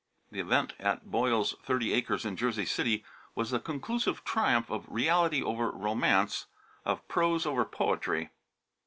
The event at Boyle's Thirty Acres in Jersey City was the conclusive triumph of Reality over Romance, of Prose over Poetry.